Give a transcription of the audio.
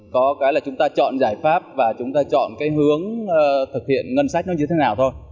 có cái là chúng ta chọn giải pháp và chúng ta chọn cái hướng thực hiện ngân sách nó như thế nào thôi